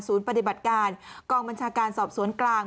ปฏิบัติการกองบัญชาการสอบสวนกลาง